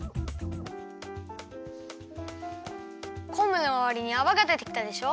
こんぶのまわりにあわがでてきたでしょ？